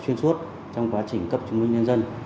xuyên suốt trong quá trình cấp chứng minh nhân dân